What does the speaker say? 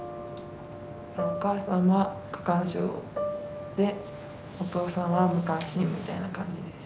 お母さんは過干渉でお父さんは無関心みたいな感じです。